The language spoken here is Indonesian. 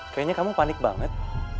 kayanya kamu panik banget